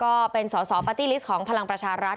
ก็เป็นสอสอปาร์ตี้ลิสต์ของพลังประชารัฐ